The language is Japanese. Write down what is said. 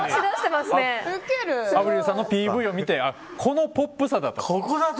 アブリルさんのＰＶを見てこのポップさだと。